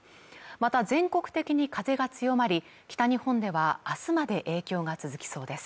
また全国的に風が強まり北日本では明日まで影響が続きそうです